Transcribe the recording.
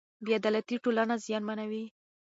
بې عدالتي ټولنه زیانمنوي.